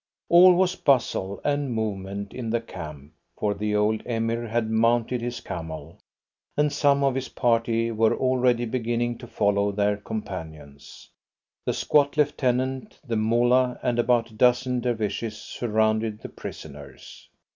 All was bustle and movement in the camp, for the old Emir had mounted his camel, and some of his party were already beginning to follow their companions. The squat lieutenant, the Moolah, and about a dozen Dervishes surrounded the prisoners.